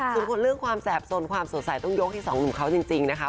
ส่วนคนเรื่องความแสบสนความสดใสต้องยกให้สองหนุ่มเขาจริงนะคะ